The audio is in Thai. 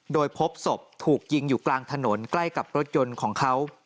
โดยพบศพถูกยิงอยู่กลางถนนใกล้กับรถยนต์ของเขา